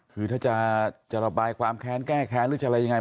คือถ้าจะระบายความแค้นแก้แค้นหรือจะอะไรยังไง